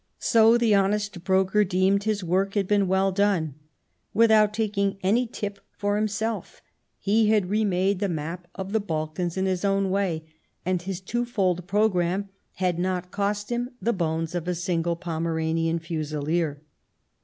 So the honest broker deemed his work had been well done : without taking any tip for himself, he had remade the map of the Balkans in his own way, and his twofold programme had not cost him the bones of a single Pomeranian Fusilier.